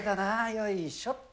よいしょっと。